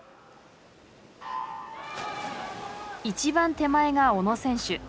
一番手前が小野選手。